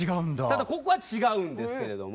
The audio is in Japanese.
ただここは違うんですけれども。